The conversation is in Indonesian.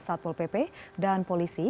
satpol pp dan polisi